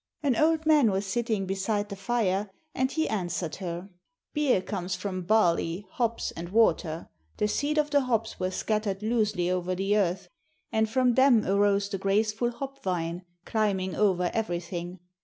An old man was sitting beside the fire, and he answered her: 'Beer comes from barley, hops, and water. The seed of the hops were scattered loosely over the earth, and from them arose the graceful hop vine, climbing over everything.